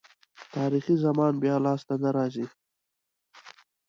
تاریخي زمان بیا لاسته نه راځي.